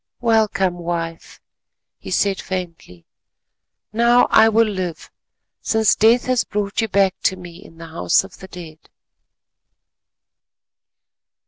"Welcome, wife," he said faintly, "now I will live since Death has brought you back to me in the House of the Dead."